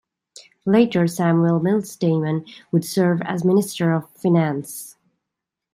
Later Samuel Mills Damon would serve as minister of finance.